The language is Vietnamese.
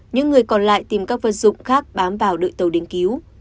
những người còn lại tìm các vật dụng khác bám vào đợi tàu đến cứu